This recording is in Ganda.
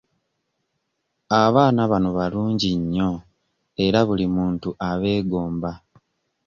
Abaana bano balungi nnyo era buli muntu abeegomba.